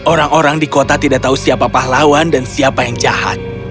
orang orang di kota tidak tahu siapa pahlawan dan siapa yang jahat